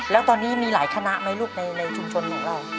แล้วตอนนี้มีหลายคณะไหมลูกในชุมชนของเรา